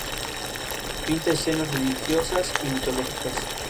La información fue obtenida de voluntarios iraquíes que llevarían la información hasta Amán.